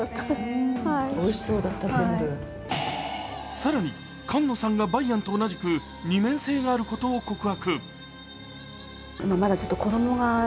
更に菅野さんが梅安と同じく二面性があることを告白。